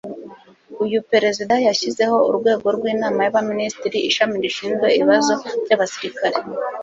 uyu perezida yashyizeho urwego rw’inama y’abaminisitiri ishami rishinzwe ibibazo by’abasirikare